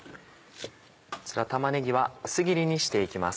こちら玉ねぎは薄切りにして行きます。